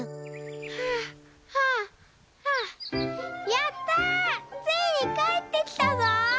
「はあはあはあやったついにかえってきたぞ！」。